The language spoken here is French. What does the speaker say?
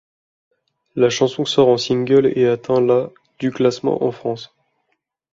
La chanson sort en single et atteint la du classement en France.